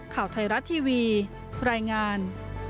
ข่าวไทยรัฐทีวีรายงาน